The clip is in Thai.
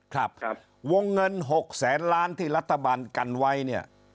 ครับวงเงิน๖แสนล้านที่รัฐบาลกันไว้เนี่ย